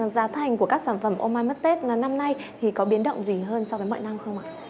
giá thành của các sản phẩm ô mai mất tết là năm nay thì có biến động gì hơn so với mọi năm không ạ